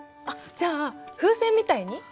じゃあ風船みたいに？